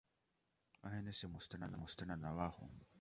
Algunas imágenes se muestran abajo.